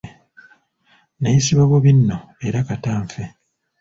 Nayisibwa bubi nno era kata nfe.